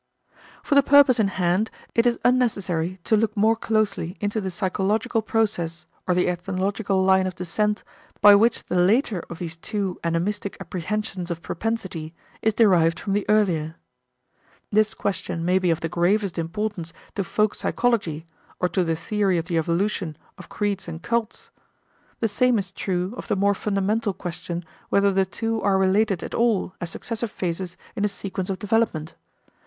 For the purpose in hand it is unnecessary to look more closely into the psychological process or the ethnological line of descent by which the later of these two animistic apprehensions of propensity is derived from the earlier. This question may be of the gravest importance to folk psychology or to the theory of the evolution of creeds and cults. The same is true of the more fundamental question whether the two are related at all as successive phases in a sequence of development.